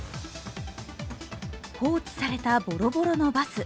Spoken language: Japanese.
放置されたボロボロのバス。